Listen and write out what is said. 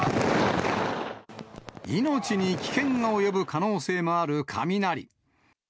命に危険が及ぶ可能性もある雷。